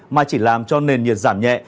mà chỉ làm cho nền nhiệt giảm nhẹ